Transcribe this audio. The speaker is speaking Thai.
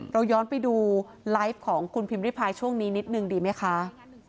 เราย้อนไปดูไลฟ์ของคุณพิมพิพายช่วงนี้นิดนึงดีไหมคะ